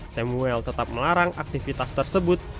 samuel tetap melarang aktivitas tersebut